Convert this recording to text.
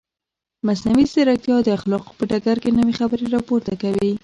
مصنوعي ځیرکتیا د اخلاقو په ډګر کې نوې خبرې راپورته کوي.